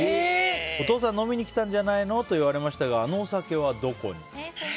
お父さん、飲みに来たんじゃないのって言われましたがあのお酒は、どこに。